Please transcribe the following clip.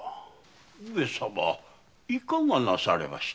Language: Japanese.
上様いかがなされました？